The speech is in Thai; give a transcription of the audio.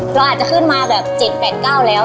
เราอาจจะขึ้นมาแบบ๗๘๙แล้ว